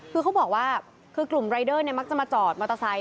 คือเขาบอกว่าคือกลุ่มรายเดอร์เนี่ยมักจะมาจอดมอเตอร์ไซค